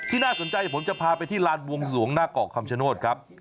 น่าสนใจผมจะพาไปที่ลานบวงสวงหน้าเกาะคำชโนธครับ